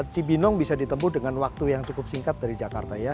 cibinong bisa ditempuh dengan waktu yang cukup singkat dari jakarta ya